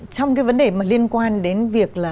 trong cái vấn đề mà liên quan đến việc